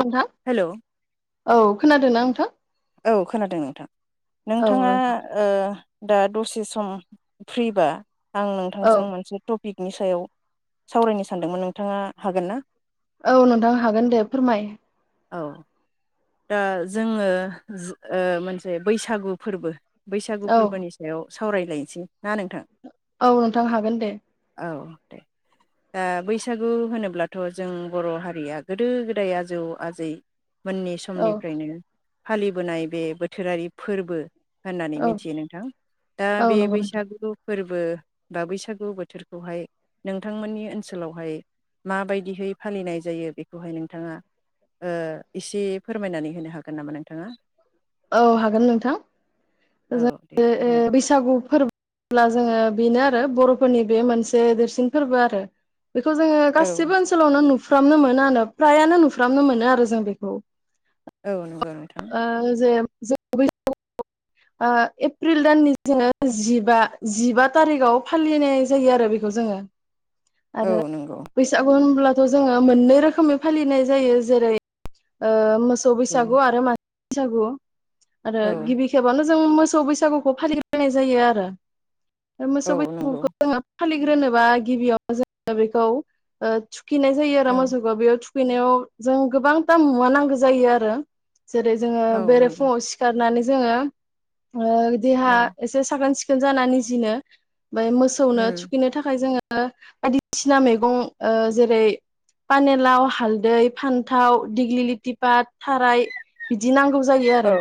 नोंथां हेलौ औ खोनादोंना नो थां औ खोनादों नोंथां। नोंथाङा नोंथां ओ दा दसे सम फ्रिबा आं औ नोंथांजों मोनसे टपिक नि सायाव सावरायनो सानदोंमोन नोंथाङा हागोन ना? औ नोंथां हागोन दे फोरमाय। औ दा जोङो जो ओ मोनसे बैसागु फोरबो बैसागु औ फोरबोनि सायाव सावरायलायसै ना नोंथा औ नोंथां हागोन दे औ दे दा बैसागु होनोब्लाथ' जों बर' हारिया गोदो गोदाय आजौ आजै मोननि औ समनिफ्रायनो फालिबोनाय बे बोथोरारि फोरबो होननानै औ मिथियो नोंथां दा औ बे नंगौ नोंथां बैसागुखौ फोरबो बा बैसागु बोथोरखौहाय नोंथांमोननि ओनसोलावहाय माबायदिहै फालिनाय जायो बेखौहाय नोंथाङा ओ एसे फोरमायनानै होनो हागोन नामा नोंथाङा? औ हागोन नोंथां औ जो दे ओ ओ फोरमायदो बैसागु फोर ब्ला जोङो बेनो आरो बर'फोरनि बे मोनसे देरसिन फोरबो आरो बेखौ जोङो औ गासिबो ओनसोलावनो नु फ्रामनो मोनो आनो फ्रायानो नुफ्रामनो मोनो आरो जों बेखौ औ नों ओ जे [unintelligible] ओ एप्रिल दाननि जोङो जिबा जिबा थारिखआव फालिनाय जायो आरो बेखौ जोङो आरो औ नंगौ बैसागु होनब्ला ज जोङो मोननै रोखोमनि फालिनाय जायो जेरै ओ मोस सौ औ बैसागु आरो मा बैसागु आरो औ गिबि खेबानो जों मोसौ बैसागुखौ फालिग्रोनाय जायो आरो ए मोसौ औ बै [unintelligible] नंगौ गुखौ जोङो फालिग्रोनोबा गिबियाव [unintelligible] बेखौ ओ गिनाय जायो आरो औ मोसौखौ बेयाव थु खैनायाव जों गोबां दाम मुवा नांगौ जायो आरो जेरै जोङो औ बेरे नंगौ फुङाव सिखारनानै जोङो ओ औ देहा एसे साखोन सिखोन सिकोन जानानै नि जिनो बै मोसौनो उम थुखिनो थाखाय जोङो [unintelligible] बायदिसिना मैगं ओ जेरै पानेलाव हालदै फान्थाव दिग्लिलिथिपात थाराय बिदि नांगौ जायो औ आरो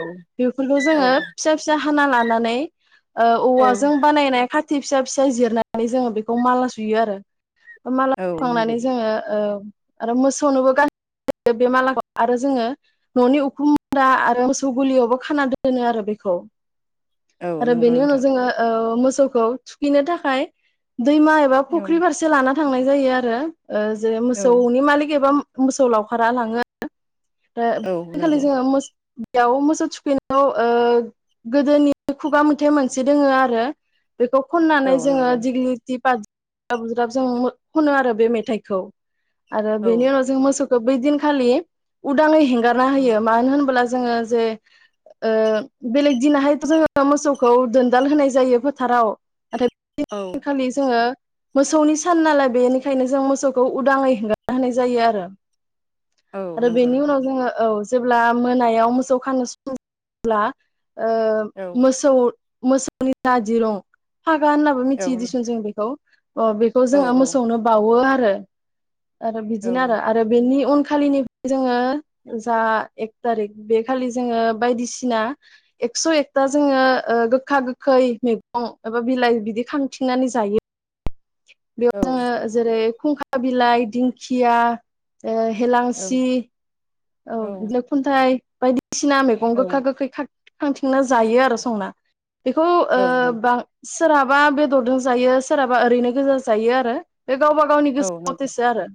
बेफोरखौ जोङो औ फिसा फिसा खाना लानानै औ औवाजों बानायनाय खाथि फिसा फिसा जिरनानै जोङो बेखौ माला सुयो आरो। औ नंगौ मालाखांनानै जोङो। आरो मोसौनोबो [unintelligible] गान बे मालाखौ आरो जोङो न'नि उखुमन्दा आरो मोसौ गुलियावबो खाना दोनो आरो बेखौ। औ आरो नंगौ बेनि उनाव नोंथां जोङो मो मोसौखौ थुखैनो थाखाय दैमा औ फुख्रि फारसे लाना थांनाय जायो आरो। जे औ मोसौनि मालिक एबा। मोसौ लावखारा लाङो। खालि नंगौ जोङो याव मोसौ थुखैनायाव ओ गोदोनि खुगा मेथाइ मोनसे दोङो आरो। बेखौ औ खननानै जोङो नंगौ दिग्लिथि बा [unintelligible] जों खनो आरो बे मेथाइखौ। आरो औ बेनि उनाव जोंङो मोसौ बैदिनखालि उदाङै हें औ होयो मानो होनोबोला? जोङो जे ओ बेलेग दिनाहाय जोङो मोसौ खौ दोनदाल होनाय जायो फोथाराव। औ [unintelligible] खालि जोङो मोसौनि सान नालाय बेनिखायनो जों मोसौखौ उदाङै हेंगारना होनाय जायो आरो। औ आरो नंगौ बेनि नोंथां उनाव जोङो औ। जेब्ला मोनायाव मोसौ खानो समब्ला। ओ औ मोसौ मोसौनि थाजिरं। फागा होननाबो औ मिथिदियोदिसुन जों बेखौ। अ बेखौ औ जोङो मोसौनो बावो आ रो। आरो औ बिदिनो आरो आरो बेनि उन खालिनि जोङो जा एक थारिक बे खालि जोङो बायदिसिना एकस' एकथा जोङो, ओ गोखा गोखै मैगं एबा बिलाइ बिदि खांथिंनानै जायो। बेयाव जोङो जेरै खुंखा बिलाइ, दिंखिया। औ हेलांसि औ नो खुनथा बाय-बायदि सिना मैगं गोखा गोखै खा खांथिंना जायो आरो संना। बेखौ ओ औ नंगौ बांसि सोरहाबा बेदरदों जायो। सोरहाबा ओरैनो गोजा जायो आरो। बे गावबा गावनि औ गोसो नंगौ मथेसो आरो।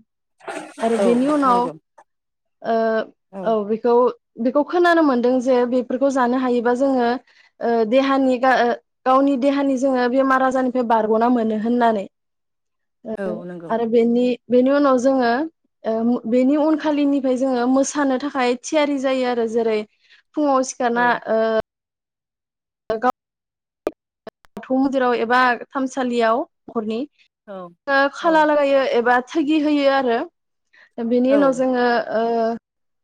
आरो औ बेनि उनाव नंगौ ओ औ बेखौ बेखौ खोनानो मोन्दों जे बेफोरखौ जानो हायोबा जोङो ओ देहानि गा ओ गावनि देहानि जोङो बेमार आजारनिफ्राय बारग'ना मोनो होननानै। ओ औ नंगौ आरो बेनि बेनि उनाव जोङो ओ मु बेनि औ उनखालिनि फाय जोङो मोसानो थाखाय थियारि जायो आरो जेरै फुङाव औ सिखारना ओ ओ गाव बाथौ मन्दिराव एबा थानसालियाव न'खरनि औ ओ औ खाला लागायो एबा थागि होयो आरो। ओ बेनि उनाव जोङो ओ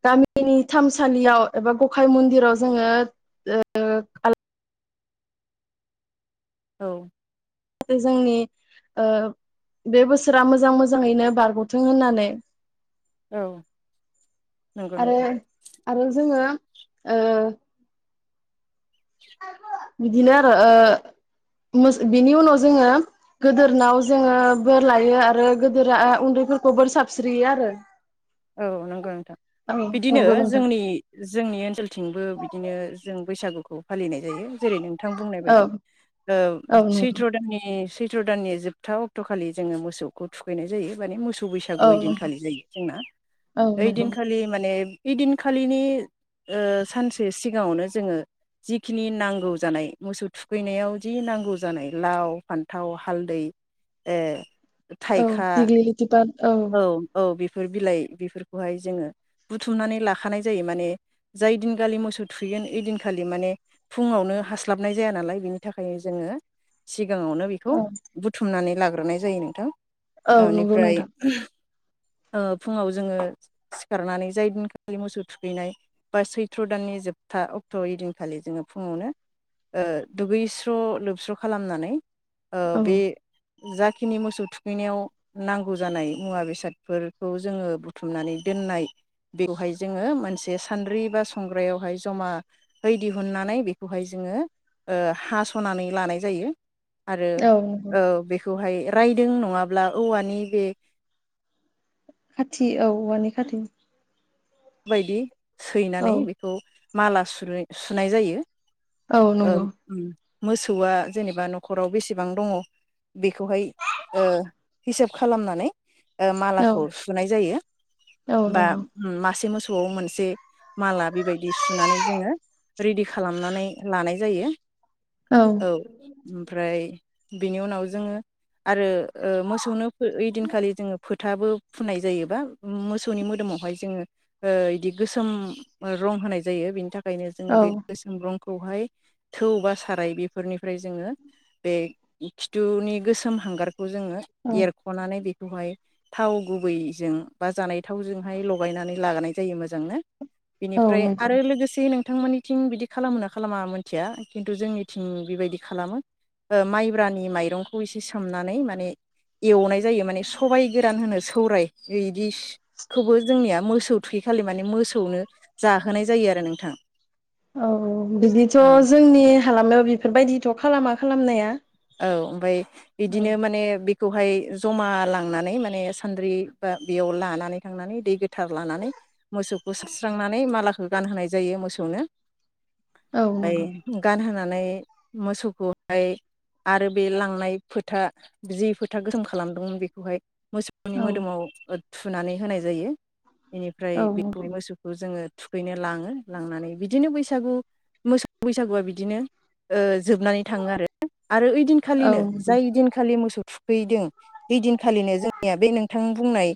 गामिनि थामसालियाव एबा गखाय मन्दिराव जोङो ओ [unintelligible] औ [unintelligible] जोंनि ओ बे बोसोरा मोजां मोजाङैनो बारग'थों होननानै। औ नंगौ आरो नोंथां आरो जोङो ओ बिदिनो आरो ओ मोस बिनि उनाव जोङो गोदोरनाव जोङो बोर लायो। आरो गोदोरा उन्दैफोरखौ बोर साबस्रियो आरो। औ नंगौ नोंथां औ बिदिनो नंगौ नोंथां जोंनि जोंनि ओनसोलथिंबो बिदिनो जों बैसागुखौ फालिनाय जायो जेरै नों थां बुंनाय औ बायदि ओ औ नंगौ सैथ्र दाननि सैथ सैथ्र दाननि जोबथा अक्ट'खालि जोङो मोसौखौ थुखैनाय जायो माने मोसौ सौ बैसागु औ नंगौ इदिनखालि जायो जोंना। औ ओय नंगौ दिन खालि माने ए इदिनखालिनि ओ सानसे सिगाङावनो जोङो जिखिनि नांगौ जानाय मोसौ थुखैनायाव जि नांगौ जानाय लाव फान्थाव हालदै ए। औ दिग्लिलिथिबाद औ। फोर बिलाइ बेफोरखौहाय जोङो बुथुमनानै लाखानाय जायो। माने जाय दिनखालि मोसौ थुगोन ओइदिनखालि माने फुङावनो हास्लाबनाय जाया नालाय बेनि थाखायनो जोङो सि सिगाङावनो बेखौ औ बुथुमनानै लाग हरनाय जायो नोंथां। औ नंगौ ओनिफ्राय। नोंथां ओ फुङाव जोङो सिखारनानै जाय दिनखालि मोसौ थुखैनाय बा सैथ्र' दाननि जोबथा अक्ट' इदिनखालि जोङो फुङावनो ओ दुगैस्र' लोबस्र' खालामनानै ओ औ बे जाखिनि मोसौ थुखैनायाव नांगौ जानाय मुवा बेसादफोरखौ जोङो बु थुमनानै दोननाय बेखौहाय जोङो मोनसे सान्द्रि बा संग्रायावहाय जमा हैै दिहुननानै बेखौहाय जोङो ओ हास'नानै लानाय जायो। आरो औ नंगौ ओ बे खौहाय रायदों नङाब्ला औवानि बे खाथि औ औवानि खाथि बायदि औ सैनानै बेखौ माला सुरै सुनाय जायो। औ ओं नंगौ उम मोसौआ जेनेबा न'खराव बेसेबां दङ' बेखौहाय ओ हिसाब खालामनानै ओ औ मालाखौ सुनाय जायो औ बा नंगौ मासे से मोसौआव मोनसे माला बेबायदि सुनानै जोङो रेडि खालामनानै लानाय जायो। औ ओमफ्राय बेनि उनाव जोङो आरो ओ मोसौनो ओइनखालि जोङो फो थाबो फुननाय जायोबा मोसौनि मोदोमावहाय जोङो ओ इदि गोसोम रं होनाय जायो बेनि था खायनो जोङो औ बे गोसोम रं खौहाय थौ बा साराय बेफोरनिफ्राय जोङो बे खिथुनि गोसोम हांगार खौ जोङो औ एरख'नानै बि खौहाय थाव गुबैजों बा जानाय थावजोंहाय लगायनानै लागायनाय जायो मोजांनो। औ बेनिफ्राय नंगौ आरो लोगोसे नों थांमोननिथिं बिदि खालामो ना खालामा मोनथिया खिन्थु जोंनिथिं बिबायदि खालामो। माइब्रानि माइरंखौ एसे सोमनानै माने एवनाय जायो माने सबाइ गोरान होनो सौराय [unintelligible] इसखोबो जोंनिया मोस [unintelligible] थुखै खालि माने मोसौनो जाहोनाय जायो आरो नोंथां औ बिदिथ' औ जोंनि हालामायाव बि फोरबायदिथ' खालामा खालामनाया। औ ओमफाय औ बिदिनो माने बे खौहाय जमा लांनानै माने सानद्रि बा बेयाव लानानै थांनानै दै गोथार लानानै मोसौखौ सारस्रांनानै मालाखौ गानहोनाय जायो मोसौनो औ बाय नंगौ गानहोना नाय मोसौखौहाय आरो बे लांनाय फोथा जि फोथा गोसोम खालामदोंमोन बेखौहाय मोसौनि औ मोदोमाव थुनानै होनाय जायो बेनिफ्राय औ बेखौ नंगौ मोसौखौ जोङो थुखैनो लाङो लांनानै बिदिनो बैसागु मोसौ बैसागुआ बिदिनो जोबनानै थाङो आरो आरो औ ओइदिनखालिनो नंगौ जाय दिनखालि मोसौ थुखैदों इदिनखालिनो जोंनिया बे नोंथां बुंनाय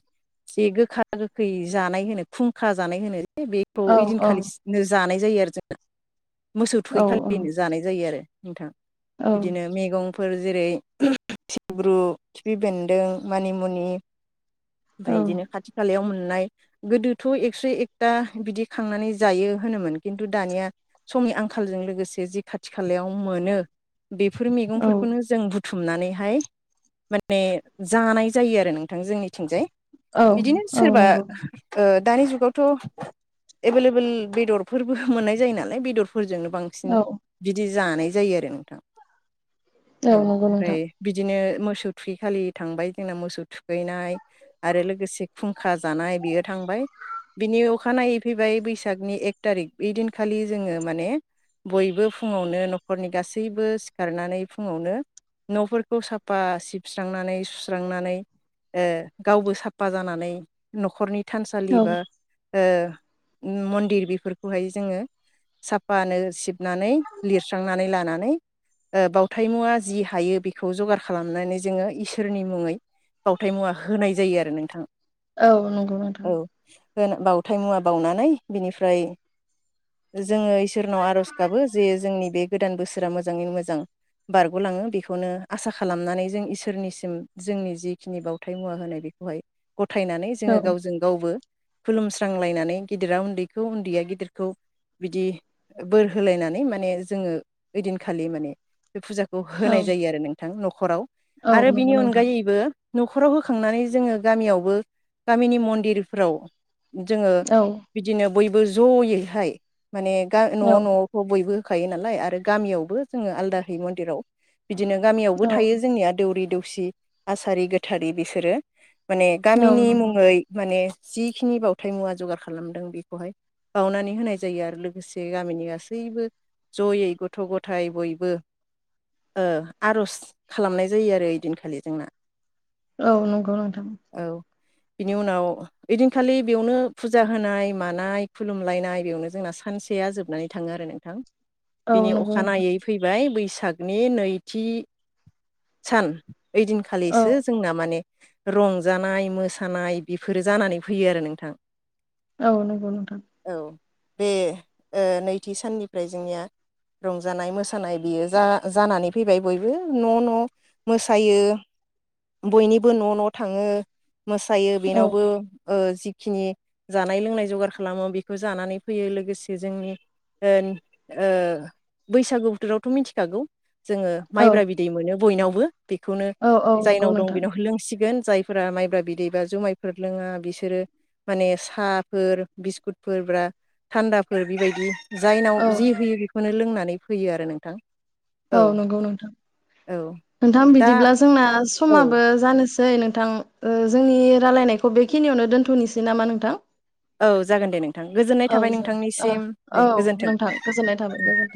जे गोखा गोखै जानाय होनो खुंखा जानाय होनो ए बेफौ औ औ इदिनखालि जानाय जायो आरो जोना मोसौ औ थुखै खालि जानाय जायो आरो नोंथां औ बिदिनो मेगं फोर जेरै थिब्रु खिफि बेन्दों मानिमुनि ओमफाय बिदिनो खाथि खालायाव मोन मोननाय गोदोथ' एकस' एकथा बिदि खांनानै जायो होनोमोन खिन्थु दानिया समनि आंखालजों लोगोसे जि खाथि खालायाव मोनो बेफोर मैगंफोरखौनो जों बु थुमनानैहाय माने जानाय जायो आरो नोंथां जोंनिथिंजाय औ बिदिनो औ सोरबा नंगौ ओ दानि जुगावथ' एभेलेबल बेदरफोरबो मोननाय जायो नालाय बेदर फोरजोंनो बांसिन औ बिदि जानाय जायो आरो नोंथां औ नंगौ नोंथां ओमफ्राय बिदिनो मोसौ थुखैखालि थांबाय जोंना मोसौ थुखैनाय आरो लोगोसे खुंखा जानाय बियो थांबाय बिनि अखानायै फैबाय बैसागनि एक थारिक ओय दिनखालि जोङो माने बयबो फुङावनो न'खरनि गासैबो सि खारनानै फुङावनो न'फोरखौ साफा सिबस्रांनानै सुस्रांनानै ओ गावबो साफा जानानै न'खरनि थानसालि औ बा ओ मन्दिर बेफोरखौहाय जोङो साफानो सिबनानै लिरस्रांनानै लानानै ओ बावथाय मुवा जि हायो बेखौ जगार खालामनानै जोङो इसोरनि मुङै बावथाय मुवा होनाय जायो आरो नोंथां औ नंगौ नोंथां ओ बावथाय मुवा बावनानै बिनिफ्राय जों जोङो इसोरनाव आर'ज गाबो जे जोंनि बे गोदान बोसोर इसोरा मोजाङैनो मो जां बारग'लाङो बेखौनो आसा खालामनानै जों इसोरनिसिम जोंनि जिखिनि बावथाय मुवा होनाय बेखौहाय गथायनानै औ जोङो गावजों गावबो खुलुमस्रांलायनानै गिदिरा उन्दैखौ उन्दैया गिदिरखौ बिदि बोर होलायनानै माने जोङो ओइदिनखालि माने बे फुजाखौ औ होनाय जायो आरो नोंथां न खराव। औ आरो बिनि नंगौ नोंथां अनगायैबो न'खराव होखांनानै जोङो गामियावबो गामिनि मन्दिरफ्राव जोङो औ बयबो ज'यैहाय माने गा न'- औ न'आवखौ बयबो खायो नालाय आरो गामियावबो जोङो आलदा होयो मन्दिराव। बिदिनो गामियावबो औ थायो जोंनिया दौरि दौ- सि आसारि गोथारि बिसोरो। माने औ गामिनि नंगौ मुङै माने जिखिनि बावथाय मुवा जगार खालामदों बेखौहाय बाउनानै होनाय जायो आरो लोगोसे गामिनि गासैबो जयै गथ' गथाय बयबो ओ आर'ज खालामनाय जायो आरो ओइदिनखालि जोंना। औ नंगौ नोंथां। औ बिनि उनाव ओइदिनखालि बेयावनो फुजा होनाय मानाय खुलुमलायनाय बेयावनो जोंना सानसेया जोबनानै थाङो आरो नोंथां।। औ बिनि नंगौ नोंथां अखानायै फैबाय बै बैसागनि नैथि सान। ओइदिन औ खालिसो जोंना माने रंजानाय मोसानाय बेफोरो जानानै फैयो आरो नोंथां। औ नंगौ नोंथां। औ बे ओ नैथि साननिफ्राय जोंनिया रंजानाय मोसानाय बेयो जा जानानै फैबाय बयबो न' न' मोसायो। बयनिबो न' न' थाङो। मोसायो औ बेनावबो ओ जिखिनि जानाय लोंनाय जगार खालामो बेखौ जानानै फैयो लोगोसे जोंनि ओन ओ बैसागु बोथोरावथ' मिथिखागौ। जोङो औ माइब्रा बिदै मोनो बयनावबो। बेखौनो औ औ नंगौ जायनाव दं नोंथां बेनाव लोंसि गोन जायफोरा माइब्रा बिदै बा जुमायफोर लोङा बिसोरो माने साहाफोर बिस्कुटफोर बा थान्दाफोर बिबायदि औ जायनाव जि होयो बेख खौनो लोंनानै फैयो आरो नोंथां। औ नंगौ नोंथां। औ नोंथां दा बिदिब्ला जोंना औ समाबो जानोस जै नोंथां जोंनि रायलायनायखौ बेखिनियावनो दोनथ'नोसै नामा नोंथां? औ जागोन दे नोंथां गोजोननाय औ थाबाय जों नोंथांनिसिम दे औ गोजोन्थों। नोंथां गोजोननाय थाबाय गोजोन्थों।